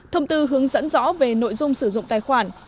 thông tư hướng dẫn rõ về nội dung sử dụng tài khoản